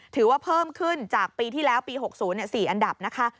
ถือว่าเพิ่มขึ้นจากปีที่แล้วปี๖๐๔อันดับนะคะ